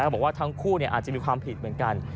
บอกว่าทั้งคู่อาจจะมีความผิดเหมือนกัน